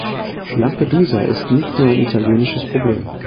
Lampedusa ist nicht nur ein italienisches Problem.